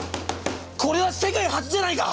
これは世界初じゃないか？